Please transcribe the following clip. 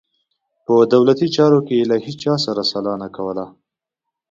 په دولتي چارو کې یې له هیچا سره سلا نه کوله.